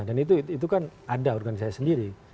dan itu kan ada organisasi sendiri